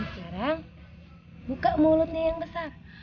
sekarang buka mulutnya yang besar